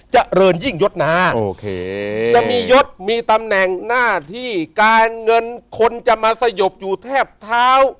เจริญยิ่งยศนาโอเคจะมียศมีตำแหน่งหน้าที่การเงินคนจะมาสยบอยู่แทบเท้า